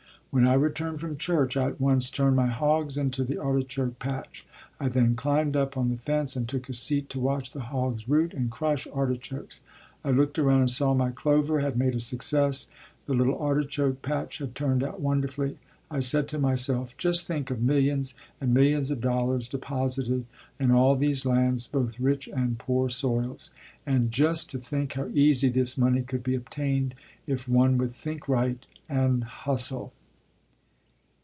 When I returned from church, I at once turned my hogs into the artichoke patch. I then climbed up on the fence and took a seat to watch the hogs root and crush artichokes. I looked around and saw my clover had made a success, the little artichoke patch had turned out wonderfully. I said to myself: "Just think of millions and millions of dollars deposited in all these lands, both rich and poor soils. And just to think how easy this money could be obtained if one would think right and hustle."